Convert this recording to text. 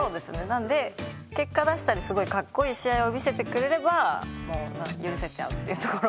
なので結果出したりすごいカッコいい試合を見せてくれればもう許せちゃうっていうところがあるので。